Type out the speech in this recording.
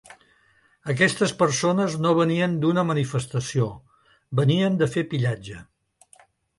Aquestes persones no venien d’una manifestació, venien de fer pillatge.